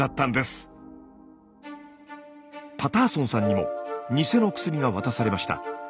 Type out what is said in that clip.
パターソンさんにもニセの薬が渡されました。